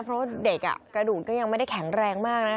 เพราะว่าเด็กกระดูกก็ยังไม่ได้แข็งแรงมากนะ